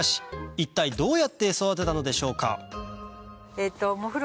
一体どうやって育てたのでしょうか？